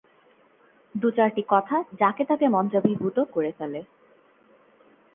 দু চারটি কথা যাকে তাকে মন্ত্রাভিভূত করে ফেলে।